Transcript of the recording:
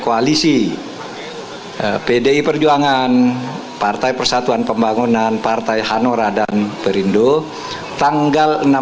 koalisi pdi perjuangan partai persatuan pembangunan partai hanora dan berindo tanggal